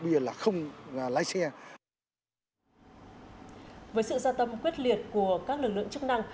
với sự gia tăng quyết liệt của các lực lượng chức năng